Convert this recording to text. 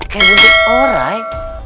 kayak buncit orai